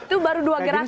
ini baru dua gerakan loh